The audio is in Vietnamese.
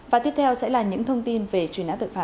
và tiếp theo sẽ là những thông tin về truy nã tội phạm